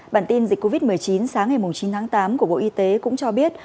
bản tin dịch covid một mươi chín sáng ngày chín tháng tám của bộ y tế cũng cho biết